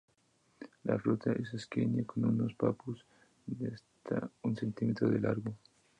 La fruta es aquenio con unos papus de hasta un centímetro largo.